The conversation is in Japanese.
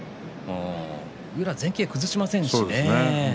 宇良は前傾を崩しませんしね。